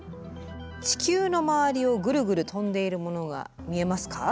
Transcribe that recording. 地球の周りをぐるぐる飛んでいるものが見えますか？